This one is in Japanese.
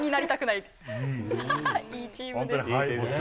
いいチームです。